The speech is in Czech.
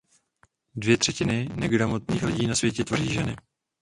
Dvě třetiny negramotných lidí na světě tvoří ženy.